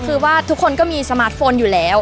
คือว่าทุกคนก็มีสมาร์ทโฟนอยู่แล้ว